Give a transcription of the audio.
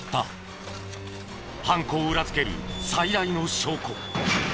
犯行を裏付ける最大の証拠。